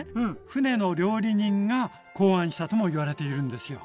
船の料理人が考案したともいわれているんですよ。